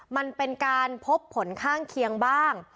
มันเป็นการพบผลข้างเคียงบ้าง